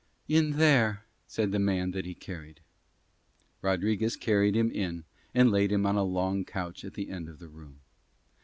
"In there," said the man that he carried. Rodriguez carried him in and laid him on a long couch at the end of the room.